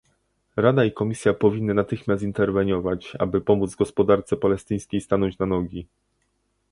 Rada i Komisja powinny natychmiast interweniować, aby pomóc gospodarce palestyńskiej stanąć na nogi